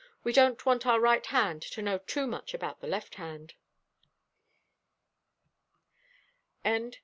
We don't want our right hand to know too much about the left hand."